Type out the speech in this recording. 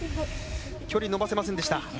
距離伸ばせませんでした。